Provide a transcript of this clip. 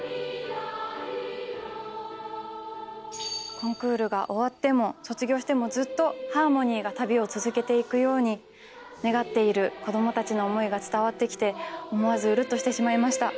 コンクールが終わっても卒業してもずっとハーモニーが旅を続けていくように願っている子供たちの思いが伝わってきて思わずウルっとしてしまいました。